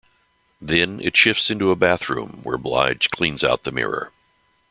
Then, it shifts into a bathroom where Blige cleans out the mirror.